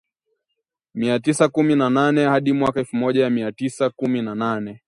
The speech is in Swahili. mia tisa kumi na nne hadi mwaka elfu moja mia tisa kumi na nane